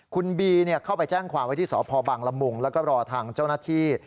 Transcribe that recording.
คุณบีเข้าไปแจ้งความไว้ที่สพบังละมุงแล้วก็รอทางเจ้าหน้าที่